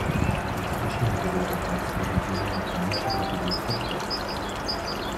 Inzwischen wurde er bereits in die Dominikanische Republik verschleppt.